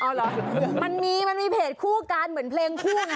อ๋อเหรอมันมีเพจคู่กันเหมือนเพลงคู่ไง